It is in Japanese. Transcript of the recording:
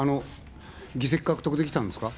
議席獲得できたんですか？